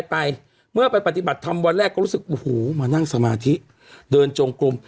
ไปเมื่อไปปฏิบัติธรรมวันแรกก็รู้สึกโอ้โหมานั่งสมาธิเดินจงกลุ่ม